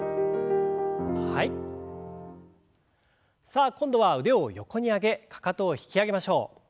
さあ今度は腕を横に上げかかとを引き上げましょう。